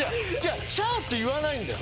「っしゃー」って言わないんだよ。